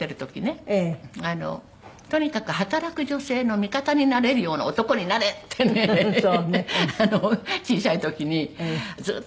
「とにかく働く女性の味方になれるような男になれ」ってね小さい時にずっと言い続けてました。